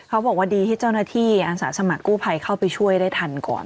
เขาบอกว่าดีที่เจ้าหน้าที่อาสาสมัครกู้ภัยเข้าไปช่วยได้ทันก่อน